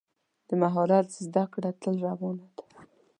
د مهارت زده کړه تل روانه ده.